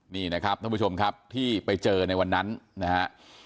นี่นะครับท่านผู้ชมครับที่ไปเจอในวันนั้นนะฮะ